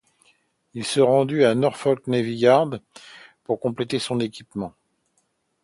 Il se rendit au Norfolk Navy Yard pour compléter son équipement.